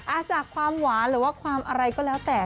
อาจจะความหวานหรือว่าความอะไรก็แล้วแต่